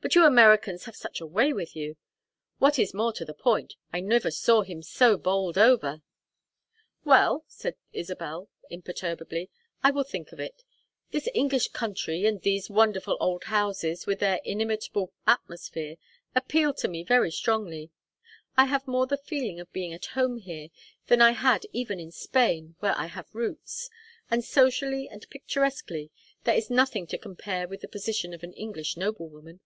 But you Americans have such a way with you! What is more to the point, I never saw him so bowled over." "Well," said Isabel, imperturbably, "I will think of it. This English country and these wonderful old houses, with their inimitable atmosphere, appeal to me very strongly. I have more the feeling of being at home here than I had even in Spain, where I have roots. And socially and picturesquely, there is nothing to compare with the position of an English noblewoman."